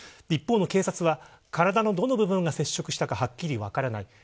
一方の警察は体の部分が接触したかはっきり分からない。